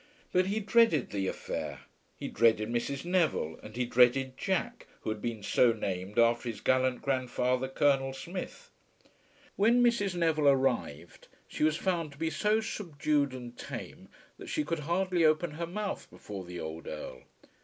But he dreaded the affair. He dreaded Mrs. Neville; and he dreaded Jack, who had been so named after his gallant grandfather, Colonel Smith. When Mrs. Neville arrived, she was found to be so subdued and tame that she could hardly open her mouth before the old Earl.